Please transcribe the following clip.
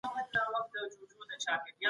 قرآن د فکر کولو بلنه ورکوي.